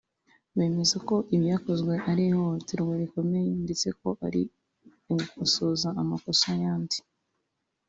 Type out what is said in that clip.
bemeza ko ibyakozwe ari ihohoterwa rikomeye ndetse ko ari ugukosoza amakosa ayandi